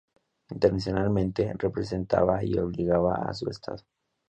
Internacionalmente, representaba y obligaba a su Estado.